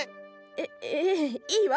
えっええいいわ。